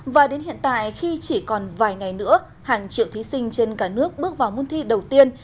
và đến hiện tại khi chỉ còn vài ngày nữa hàng triệu thí sinh trên cả nước bước vào môn thi đầu tiên